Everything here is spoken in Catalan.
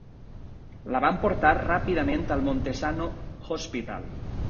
La van portar ràpidament al Monte Sano Hospital.